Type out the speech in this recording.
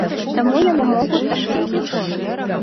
Таму яны могуць так дзейнічаць.